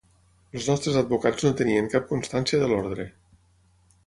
Els nostres advocats no tenien cap constància de l’ordre.